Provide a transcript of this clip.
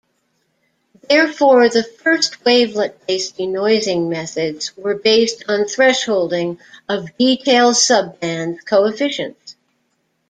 Therefore, the first wavelet-based denoising methods were based on thresholding of detail subbands coefficients.